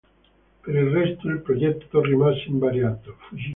Per il resto il progetto rimase invariato.